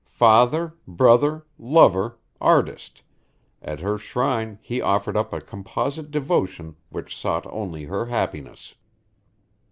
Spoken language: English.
Father, brother, lover, artist, at her shrine he offered up a composite devotion which sought only her happiness.